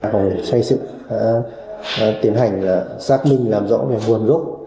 còn người khác là tiến hành xác minh làm rõ về nguồn rút